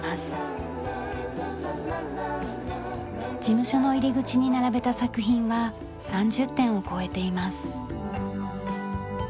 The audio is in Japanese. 事務所の入り口に並べた作品は３０点を超えています。